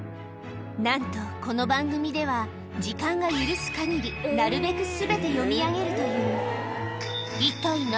なんとこの番組では、時間が許すかぎり、なるべくすべて読み上げるという。